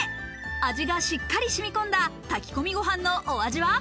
味がしっかり染み込んだ炊き込みご飯のお味は？